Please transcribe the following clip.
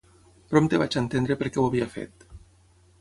Prompte vaig entendre per què ho havia fet.